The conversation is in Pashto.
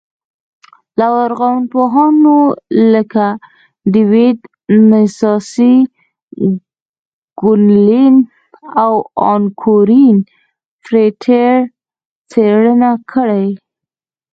لرغونپوهانو لکه ډېوېډ، نانسي ګونلین او ان کورېن فرېټر څېړنه کړې